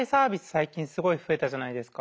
最近すごい増えたじゃないですか。